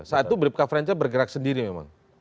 saat itu bripka frenche bergerak sendiri memang